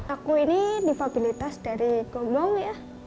aku ini difabilitas dari gombong ya